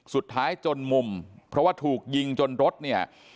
จนมุมเพราะว่าถูกยิงจนรถเนี่ย